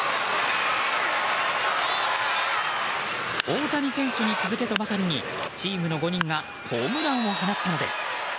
大谷選手に続けとばかりにチームの５人がホームランを放ったのです。